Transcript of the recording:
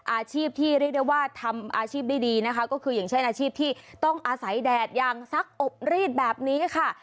อาชีพที่เรียกได้ว่าทำอาชีพได้ดีนะคะก็คืออย่างเช่นอาชีพที่ต้องอาศัยแดดอย่างซักอบรีดแบบนี้ค่ะ